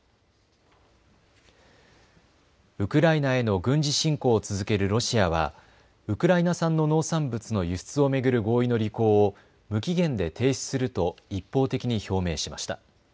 ウクライナへの軍事侵攻を続けるロシアはウクライナ産の農産物の輸出を巡る合意の履行を無期限で停止すると一方的に表明しました。